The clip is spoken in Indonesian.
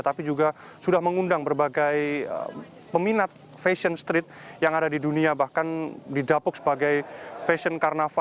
tapi juga sudah mengundang berbagai peminat fashion street yang ada di dunia bahkan didapuk sebagai fashion carnaval